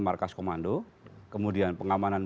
markas komando kemudian pengamanan